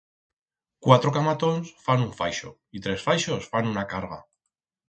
Cuatro camatons fan un faixo, y tres faixos fan una carga.